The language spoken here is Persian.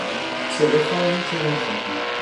چه بخواهی چه نخواهی